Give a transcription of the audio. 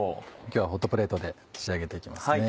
今日はホットプレートで仕上げて行きます。